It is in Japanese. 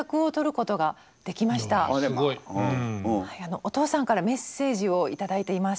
お父さんからメッセージを頂いています。